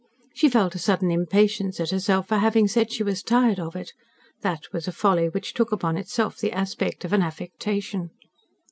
She felt a sudden impatience at herself for having said she was tired of it. That was a folly which took upon itself the aspect of an affectation.